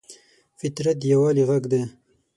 فطرت د یووالي غږ دی.